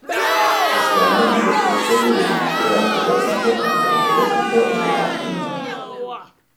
Actualmente es sede del Museo Arqueológico, Antropológico de Apurímac.